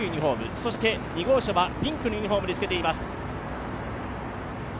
そして２号車はピンクのユニフォームにつけています。